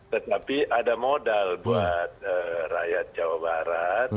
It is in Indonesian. tetapi ada modal buat rakyat jawa barat